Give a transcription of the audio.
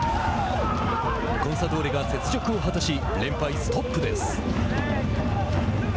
コンサドーレが雪辱を果たし連敗ストップです。